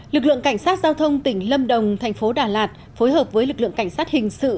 lực lượng cảnh sát giao thông tỉnh lâm đồng thành phố đà lạt phối hợp với lực lượng cảnh sát hình sự